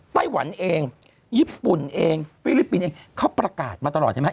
ไต้หวันเองญี่ปุ่นเองฟิลิปปินส์เองเขาประกาศมาตลอดใช่ไหม